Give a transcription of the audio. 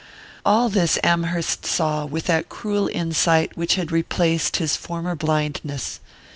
All this Amherst saw with that cruel insight which had replaced his former blindness.